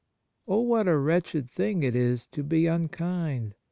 Oh, what a wretched thing it is to be unkind